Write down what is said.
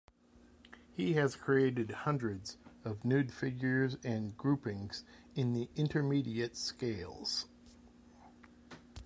He has created hundreds of nude figures and groupings in intermediate scales.